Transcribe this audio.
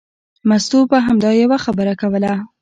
مستو به همدا یوه خبره کوله.